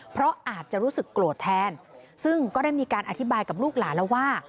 เพราะอาจจะรู้สึกโกรธแทนซึ่งก็ได้มีการอธิบายกับลูกหลานแล้วว่า